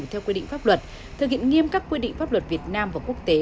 theo quy định pháp luật thực hiện nghiêm các quy định pháp luật việt nam và quốc tế